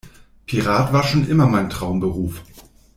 Pirat war schon immer mein Traumberuf.